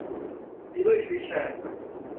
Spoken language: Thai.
อีลุ่ยฉุยแฉก